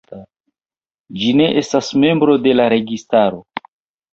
Ĝi ne estas membro de la registaro.